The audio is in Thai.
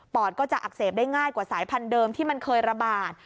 อดก็จะอักเสบได้ง่ายกว่าสายพันธุเดิมที่มันเคยระบาด